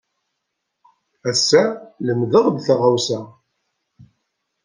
Ass-a, lemdeɣ-d taɣawsa.